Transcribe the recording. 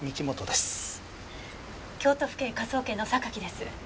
京都府警科捜研の榊です。